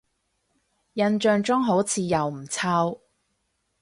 印象中好似又唔臭